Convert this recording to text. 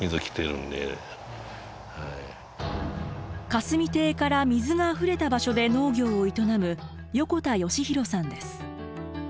霞堤から水があふれた場所で農業を営む横田圭弘さんです。